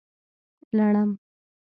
لړم